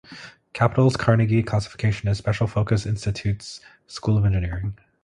Capitol's Carnegie Classification is Special Focus Institutions-Schools of Engineering.